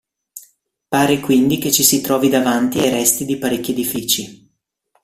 Pare quindi che ci si trovi davanti ai resti di parecchi edifici.